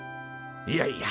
いやいや。